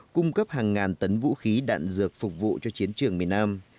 cung cấp hàng ngàn tấn vũ khí đạn dược phục vụ cho chiến trường miền nam